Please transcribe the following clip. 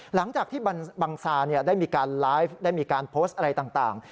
หลังจากที่บังซาได้มีการไลฟ์ได้มีการโพสต์อะไรต่าง